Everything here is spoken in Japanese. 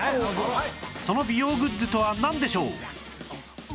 その美容グッズとはなんでしょう？